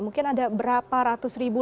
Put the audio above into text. mungkin ada berapa ratus ribu